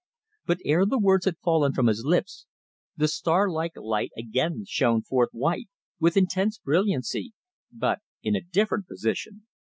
But ere the words had fallen from his lips the star like light again shone forth white, with intense brilliancy, but in a different position.